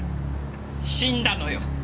死んだのよ。